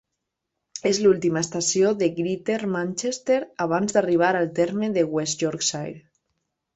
És l'última estació de Greater Manchester abans d'arribar al terme de West Yorkshire.